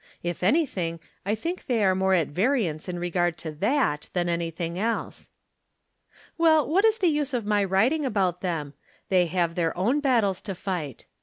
If anything, I think they are more at variance in regard to that than anything else. Well, what is the use of my writing about them? They have their own battles to fight.